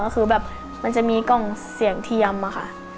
ก็คือแบบมันจะมีกล่องเสียงเทียมอะค่ะ